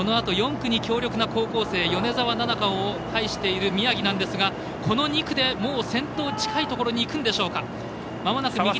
４区に強力な高校生米澤を配している宮城なんですが、この２区で先頭近いところにいくんでしょうか。